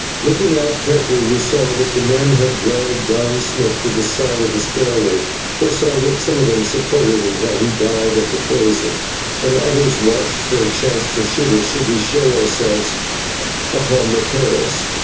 Looking out carefully we saw that the men had dragged Don Smith to the side of the stairway, where some of them supported him while he died of the poison, and others watched for a chance to shoot us should we show ourselves upon the terrace.